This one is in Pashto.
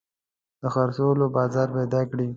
د خرڅلاو بازار پيدا کړي.